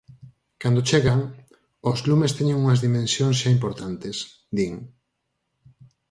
"Cando chegan, ós lumes teñen unhas dimensións xa importantes", din.